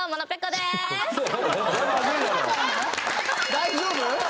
大丈夫？